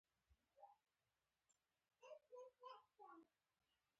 کوږ فکر له حقیقت ویره لري